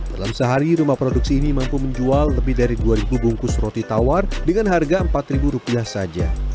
dalam sehari rumah produksi ini mampu menjual lebih dari dua ribu bungkus roti tawar dengan harga rp empat saja